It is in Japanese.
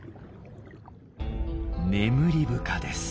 ネムリブカです。